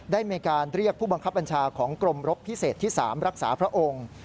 ได้มีการเรียกผู้บังคับบัญชาของกรมรบพิเศษที่๓รักษาพระองค์